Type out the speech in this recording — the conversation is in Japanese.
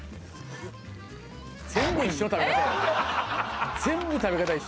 全部一緒の食べ方や。